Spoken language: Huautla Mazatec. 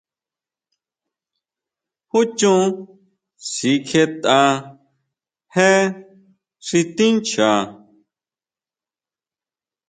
Jú chon sikjietʼa je xi tincha.